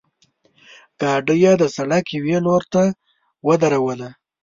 ګاډۍ یې د سړک یوې لورته ودروله.